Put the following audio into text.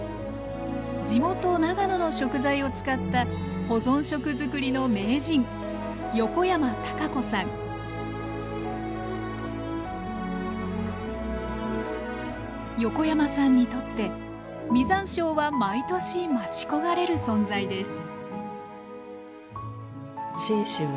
地元長野の食材を使った保存食作りの名人横山さんにとって実山椒は毎年待ち焦がれる存在です